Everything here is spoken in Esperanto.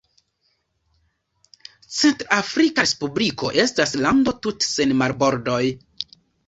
Centr-Afrika Respubliko estas lando tute sen marbordoj.